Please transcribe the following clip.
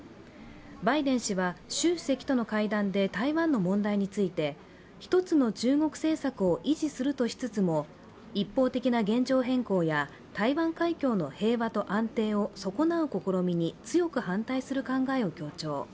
バイデン氏は習主席との会談で台湾の問題について一つの中国政策を維持するとしつつも一方的な現状変更や台湾海峡の平和と安定を損なう試みに強く反対する考えを強調。